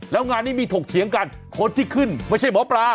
แล้วงานนี้มีถกเถียงกันคนที่ขึ้นไม่ใช่หมอปลา